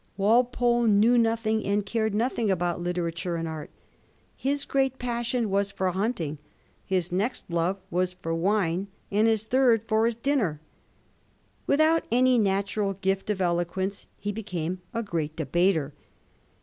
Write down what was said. Walpole knew nothing and cared nothing about literature and art^ His great passion was for himting ; his next love was for wine, and his third for his druner. Without any natural gift of eloquence he became a great debater.